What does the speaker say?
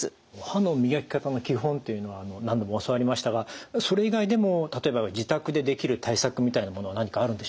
歯の磨き方の基本というのは何度も教わりましたがそれ以外でも例えば自宅でできる対策みたいなものは何かあるんでしょうか？